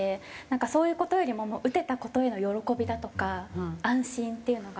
そういう事よりももう打てた事への喜びだとか安心っていうのが。